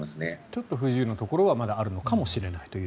ちょっと不自由なところはまだあるのかもしれないと。